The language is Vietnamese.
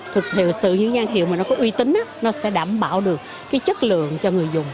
thực sự những danh hiệu mà nó có uy tín nó sẽ đảm bảo được cái chất lượng cho người dùng